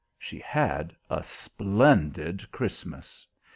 She had a splendid Christmas.